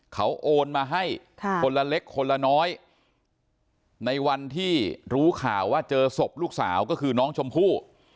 เขาโอนมาให้คนละเล็กคนละน้อยในวันที่รู้ข่าวว่าเจอศพลูกสาวก็คือน้องชมพู่